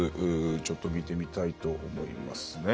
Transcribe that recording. ちょっと見てみたいと思いますね。